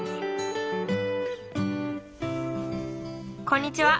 こんにちは。